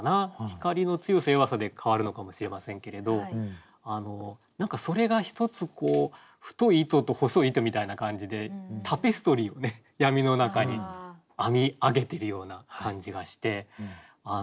光の強さ弱さで変わるのかもしれませんけれど何かそれが一つこう太い糸と細い糸みたいな感じでタペストリーをね闇の中に編み上げてるような感じがして。